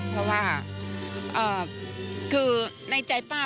เพราะว่าคือในใจป้า